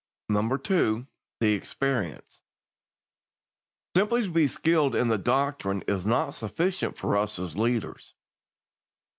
'" II. The Experience. Simply to be skilled in the doctrine is not sufficient for us as leaders.